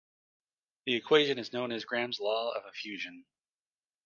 This equation is known as Graham's law of effusion.